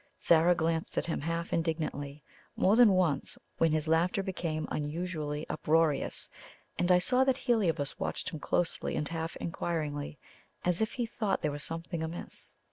Zara glanced at him half indignantly more than once when his laughter became unusually uproarious, and I saw that Heliobas watched him closely and half inquiringly, as if he thought there was something amiss.